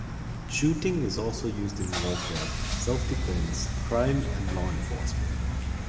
Shooting is also used in warfare, self-defense, crime, and law enforcement.